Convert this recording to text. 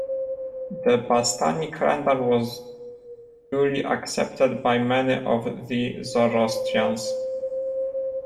The "Bastani" calendar was duly accepted by many of the Zoroastrians.